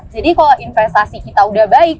jadi kalau investasi kita udah baik